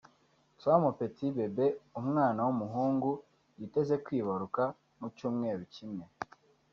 Toi Mon Petit Bebe” umwana w’umuhungu yiteze kwibaruka mu cyumweru kimwe